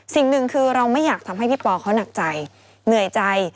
สิ่งหนึ่งคือเราไม่อยากทำให้พี่ปอเขาหนักใจเหนื่อยใจ